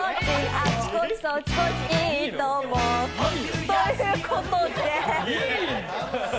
あっちこっちそっちこっちいいともということで。